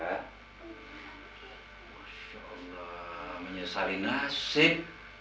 masya allah menyesali nasib